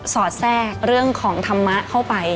สอดแทรกเรื่องของธรรมะเข้าไป